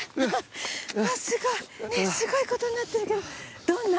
すごい。すごいことになってるけどどんな？